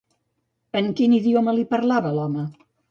En quin idioma li parlava l'home?